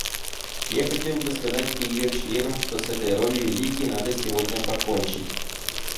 Я хотел бы сказать ее членам, что с этой ролью Лиги надо сегодня покончить.